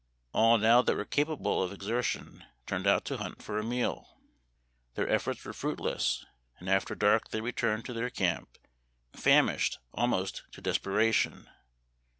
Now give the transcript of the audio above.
All now that were capable of exertion turned out to hunt for a meal. Their efforts were fruitless, and after dark they returned to their camp famished al most to desperation.